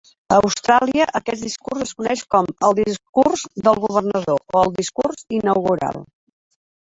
A Austràlia, aquest discurs es coneix com el "Discurs del governador" o el "discurs inaugural".